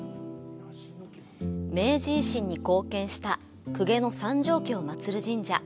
明治維新に貢献した公家の三條家を祭る神社。